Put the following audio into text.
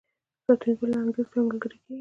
سانتیاګو له انګریز سره ملګری کیږي.